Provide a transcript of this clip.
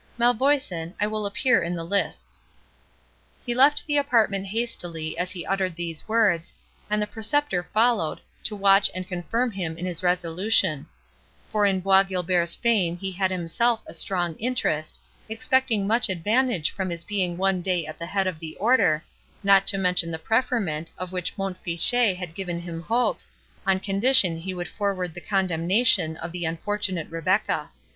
Malvoisin, I will appear in the lists." He left the apartment hastily as he uttered these words, and the Preceptor followed, to watch and confirm him in his resolution; for in Bois Guilbert's fame he had himself a strong interest, expecting much advantage from his being one day at the head of the Order, not to mention the preferment of which Mont Fitchet had given him hopes, on condition he would forward the condemnation of the unfortunate Rebecca.